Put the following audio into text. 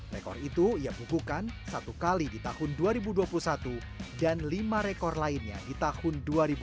rekor itu ia bukukan satu kali di tahun dua ribu dua puluh satu dan lima rekor lainnya di tahun dua ribu dua puluh